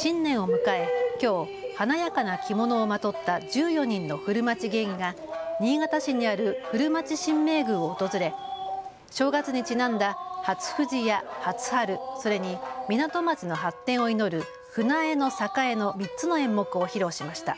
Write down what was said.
新年を迎え、きょう華やかな着物をまとった１４人の古町芸妓が新潟市にある古町神明宮を訪れ正月にちなんだ初富士や初春、それに港町の発展を祈る舟江の栄の３つの演目を披露しました。